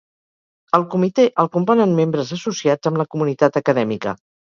El comitè el componen membres associats amb la comunitat acadèmica.